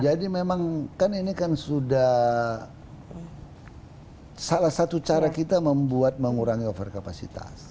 jadi memang kan ini kan sudah salah satu cara kita membuat mengurangi overkapasitas